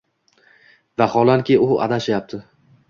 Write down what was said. Vaholanki, u adashyapti